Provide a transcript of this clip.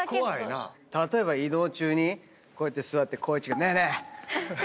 例えば移動中にこうやって座って光一が。